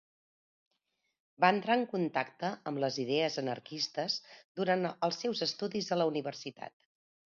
Va entrar en contacte amb les idees anarquistes durant els seus estudis a la universitat.